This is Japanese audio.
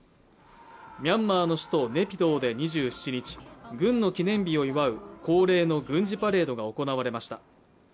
ミャンマーの首都ネピドーで２７日軍の記念日を祝う恒例の軍事パレードが行われました。